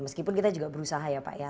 meskipun kita juga berusaha ya pak ya